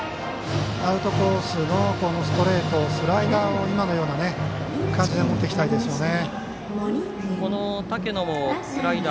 アウトコースのスライダーを今のような感じで持っていきたいですね。